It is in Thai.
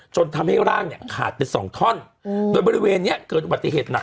จนทำให้ร่างขาดไป๒ท่อนโดยบริเวณนี้เกิดอุบัติเหตุหนัก